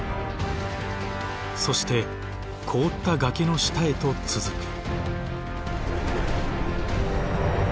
そして凍った崖の下へと続く。